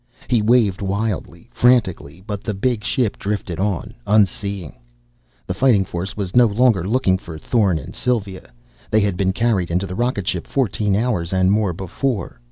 He waved wildly, frantically, but the big ship drifted on, unseeing. The Fighting Force was no longer looking for Thorn and Sylva. They had been carried into the rocket ship fourteen hours and more before.